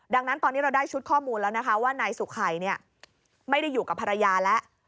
ดังนั้นตอนนี้เราได้ชุดข้อมูลแล้วนะคะว่านายสุขัยไม่ได้อยู่กับภรรยาแล้ว